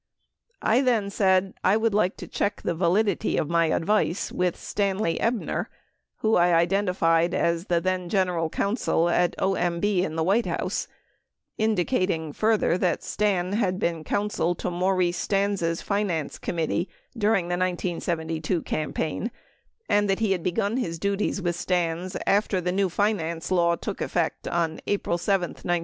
I then said I would like to check the validity of my advice with Stanley Ebner, who I identified as the then general coun sel at OMB in the White House, indicating further that Stan had been counsel to Maurice Stans' Finance Committee dur ing the 1972 campaign, and that he had begun his duties with Stans after the new finance law took effect on April 7, 1972.